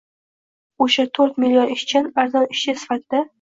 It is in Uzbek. O‘sha to'rt million ishchan, arzon ishchi sifatida